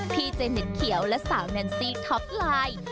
พี่เจมส์เหน็ดเขียวและสาวแนนซี่ท็อปไลน์